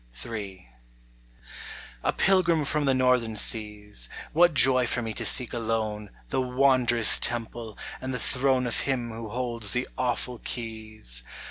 3* in A PILGRIM from the northern seas What joy for me to seek alone The wondrous Temple, and the throne Of him who holds the awful keys